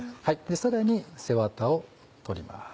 さらに背ワタを取ります。